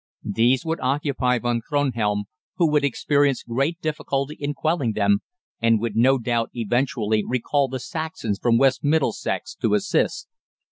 These would occupy Von Kronhelm, who would experience great difficulty in quelling them, and would no doubt eventually recall the Saxons from West Middlesex to assist.